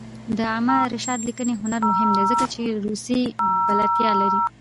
د علامه رشاد لیکنی هنر مهم دی ځکه چې روسي بلدتیا لري.